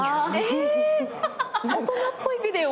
え大人っぽいビデオ？